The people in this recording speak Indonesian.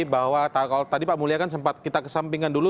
bahwa kalau tadi pak mulya kan sempat kita kesampingkan dulu